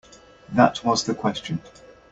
That was the question.